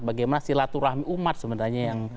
bagaimana silaturahmi umat sebenarnya